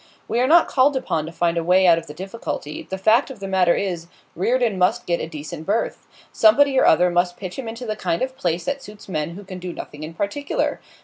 'We are not called upon to find a way out of the difficulty. The fact of the matter is, Reardon must get a decent berth. Somebody or other must pitch him into the kind of place that suits men who can do nothing in particular.